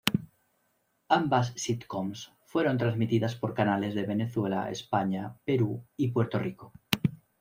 Ambas sitcoms fueron transmitidas por canales de Venezuela, España, Perú y Puerto Rico.